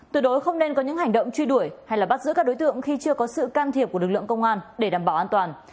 tuyệt đối không nên có những hành động truy đuổi hay bắt giữ các đối tượng khi chưa có sự can thiệp của lực lượng công an để đảm bảo an toàn